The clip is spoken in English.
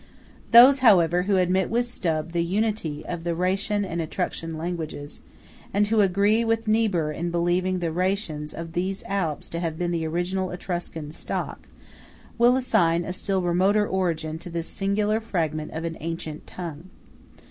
Those, however, who admit with Steub the unity of the Rhætian and Etruscan languages, and who agree with Niebuhr in believing the Rhætians of these Alps to have been the original Etruscan stock, will assign a still remoter origin to this singular fragment of an ancient tongue.